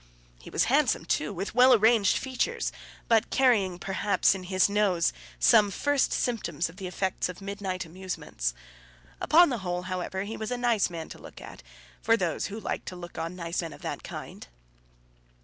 He was handsome, too, with well arranged features, but carrying, perhaps, in his nose some first symptoms of the effects of midnight amusements. Upon the whole, however, he was a nice man to look at for those who like to look on nice men of that kind.